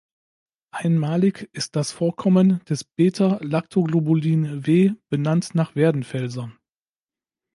Einmalig ist das Vorkommen des beta-Lactoglobulin W, benannt nach Werdenfelser.